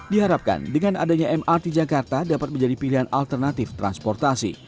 diharapkan dengan adanya mrt jakarta dapat menjadi pilihan alternatif transportasi